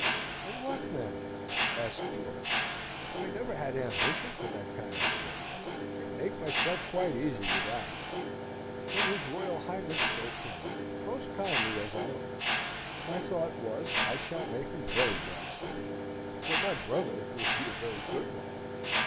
"And what then?" asked George. "I never had ambition for that kind of glory, and can make myself quite easy without it. When his Royal Highness spoke to me most kindly, as I own my thought was, I shall make a very bad soldier, and my brother would be a very good one.